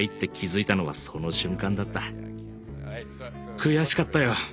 悔しかったよ。